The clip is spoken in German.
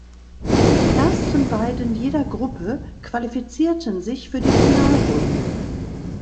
Die ersten beiden jeder Gruppe qualifizierten sich für die Finalrunde.